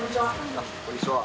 こんにちは。